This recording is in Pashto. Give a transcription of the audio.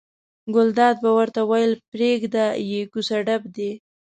ګلداد به ورته ویل پرېږده یې کوڅه ډب دي.